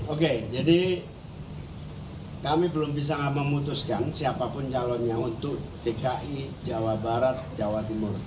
oke jadi kami belum bisa memutuskan siapapun calonnya untuk dki jawa barat jawa timur